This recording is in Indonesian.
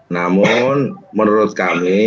namun menurut kami